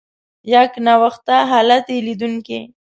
یکنواخته حالت یې لیدونکي.